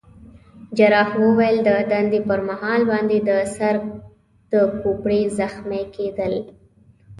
جراح وویل: د دندې پر مهال باندي د سر د کوپړۍ زخمي کېدل.